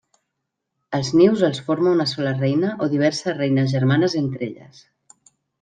Els nius els forma una sola reina o diverses reines germanes entre elles.